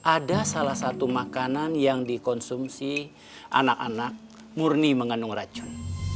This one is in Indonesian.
ada salah satu makanan yang dikonsumsi anak anak murni mengandung racun